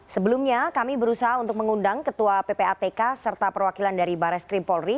sebelumnya kami berusaha untuk mengundang ketua ppatk serta perwakilan dari bares krim polri